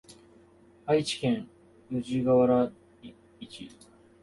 愛媛県宇和島市